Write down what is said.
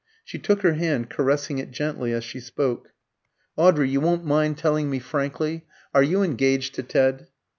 She took her hand, caressing it gently as she spoke. "Audrey you won't mind telling me frankly? Are you engaged to Ted?"